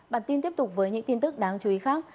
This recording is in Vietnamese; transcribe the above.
bản tin tiếp tục với những tin tức đáng chú ý khác